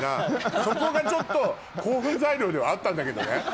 そこがちょっと興奮材料ではあったんだけどね。